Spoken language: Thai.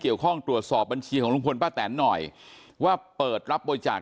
เกี่ยวข้องตรวจสอบบัญชีของลงควรป้าแตนหน่อยว่าเปิดรับบริจาค